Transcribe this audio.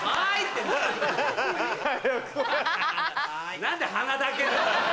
何で鼻だけなんだよ。